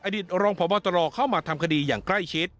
รองพบตรเข้ามาทำคดีอย่างใกล้ชิด